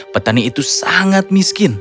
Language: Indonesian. petani itu sangat miskin